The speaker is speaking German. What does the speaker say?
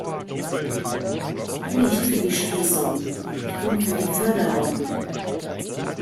Ich bin nicht für die Schließung, ich bin für die Förderung.